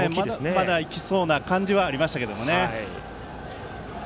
まだ行きそうな感じはありましたけどね。